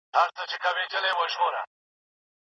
تاسو د مثبت فکر په لرلو د ژوند له هر بدلون سره سمون خوروئ.